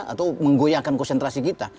atau menggoyakan konsentrasi kita